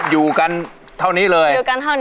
อยู่กันเท่านี้เลย